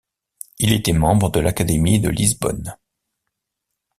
Il était membre de l'Académie de Lisbonne.